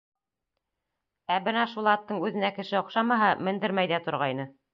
Ә бына шул аттың үҙенә кеше оҡшамаһа, мендермәй ҙә торғайны.